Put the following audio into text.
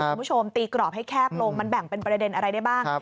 คุณผู้ชมตีกรอบให้แคบลงมันแบ่งเป็นประเด็นอะไรได้บ้าง